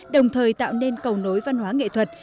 đồng thời tạo nên cầu nối văn hóa nghệ thuật